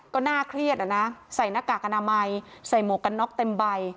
ก็น่าเครียดอะนะใส่หน้ากากอนามัยใส่หมวกกันน็อกเต็มใบ